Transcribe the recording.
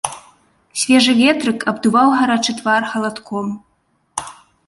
Свежы ветрык абдуваў гарачы твар халадком.